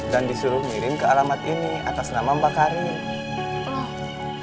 dan disuruh mirim ke alamat ini atas nama mbak karim